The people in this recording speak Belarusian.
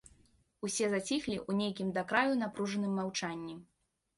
Усе заціхлі ў нейкім да краю напружаным маўчанні.